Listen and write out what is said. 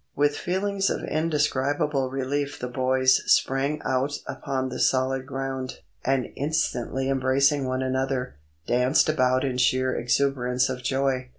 With feelings of indescribable relief the boys sprang out upon the solid ground, and instantly embracing one another, danced about in sheer exuberance of joy.